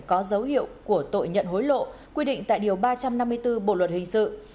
có dấu hiệu của tội nhận hối lộ quy định tại điều ba trăm năm mươi bốn bộ luật hình sự